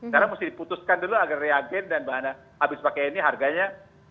karena mesti diputuskan dulu agar reagen dan bahan habis pakai ini harganya